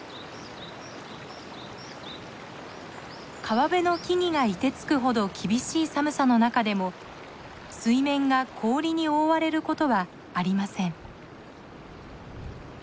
川辺の木々が凍てつくほど厳しい寒さの中でも水面が氷に覆われることはありません。